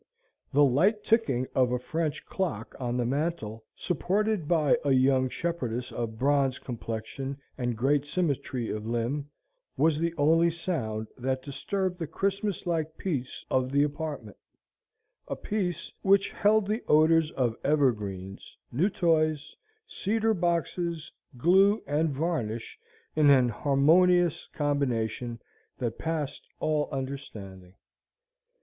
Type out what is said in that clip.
The light ticking of a French clock on the mantel, supported by a young shepherdess of bronze complexion and great symmetry of limb, was the only sound that disturbed the Christmas like peace of the apartment, a peace which held the odors of evergreens, new toys, cedar boxes, glue, and varnish in an harmonious combination that passed all understanding.